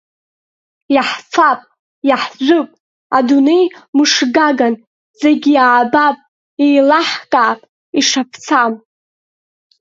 Иаҳфап, иаажәып, адунеи мышгаган зегьы иаабап, иеилаҳкаап ишаԥсам…